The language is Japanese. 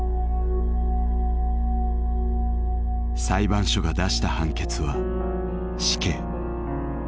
裁判所が出した判決は死刑。